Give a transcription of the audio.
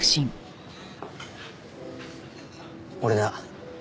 俺だ。